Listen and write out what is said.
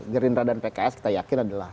gerindra dan pks kita yakin adalah